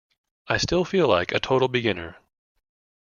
I still feel like a total beginner.